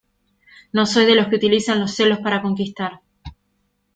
no soy de los que utilizan los celos para conquistar